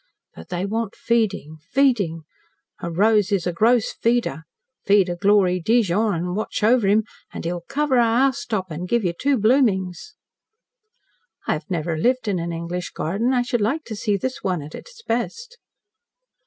But they want feeding feeding. A rose is a gross feeder. Feed a Glory deejon, and watch over him, an' he'll cover a housetop an' give you two bloomings." "I have never lived in an English garden. I should like to see this one at its best."